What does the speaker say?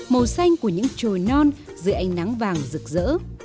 màu xanh của những trồi non dưới ánh nắng vàng rực rỡ